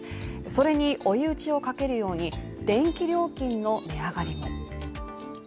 それに追い打ちをかけるように電気料金の値上がりも。